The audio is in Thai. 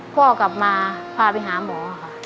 พ่อกลับมาพาไปหาหมอค่ะ